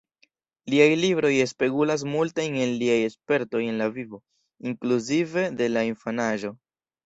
Liaj libroj spegulas multajn el liaj spertoj en la vivo, inkluzive de la infanaĝo.